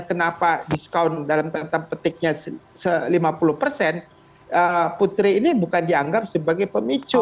kenapa diskon dalam tanda petiknya lima puluh persen putri ini bukan dianggap sebagai pemicu